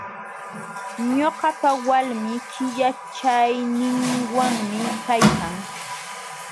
Ñuqapa walmi killachayninwanmi kaykan.